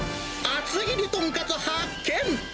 厚切りとんかつ発見。